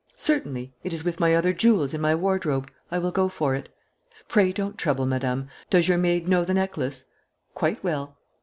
"Certainly. It is with my other jewels, in my wardrobe. I will go for it." "Pray don't trouble, Madame. Does your maid know the necklace?" "Quite well."